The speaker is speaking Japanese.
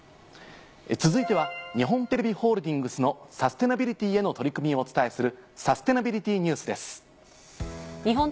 続いては日本テレビホールディングスのサステナビリティへの取り組みをお伝えする。